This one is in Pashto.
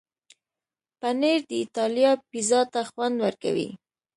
پنېر د ایټالیا پیزا ته خوند ورکوي.